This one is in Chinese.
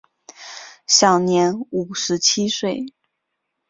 享年五十七岁。